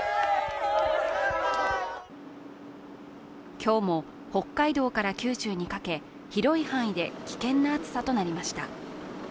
今日も北海道から九州にかけ広い範囲で危険な暑さとなりました。